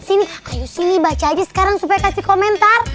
sini ayo sini baca aja sekarang supaya kasih komentar